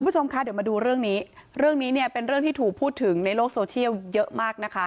คุณผู้ชมคะเดี๋ยวมาดูเรื่องนี้เรื่องนี้เนี่ยเป็นเรื่องที่ถูกพูดถึงในโลกโซเชียลเยอะมากนะคะ